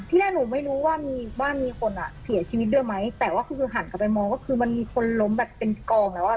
พวกมีแฟนเพื่อนก็ถึงเราออกมา